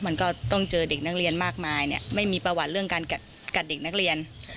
มันก็ต้องเจอเด็กนักเรียนมากมายเนี่ยไม่มีประวัติเรื่องการกัดเด็กนักเรียน